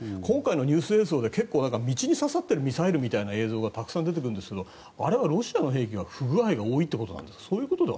今回のニュース映像で結構、道に刺さってるミサイルみたいな映像がたくさん出てきてるんですがあれはロシアの兵器が不具合が多いということですか？